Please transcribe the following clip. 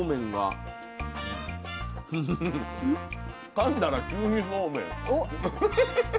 かんだら急にそうめん。